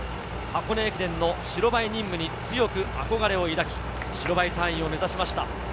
箱根駅伝の白バイ任務に強く憧れを抱き、白バイ隊員を目指しました。